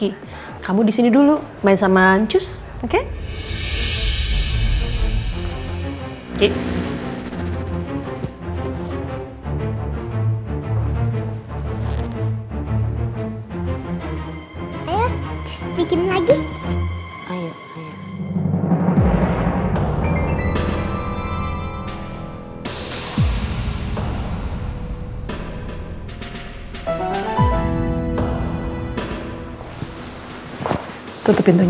apa ada sesuatu yang gak bisa aku jelasin